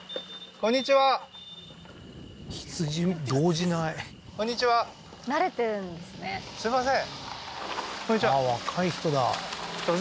こんにちはすいません